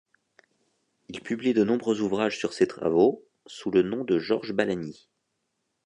Il publie de nombreux ouvrages sur ses travaux sous le nom de George Balagny.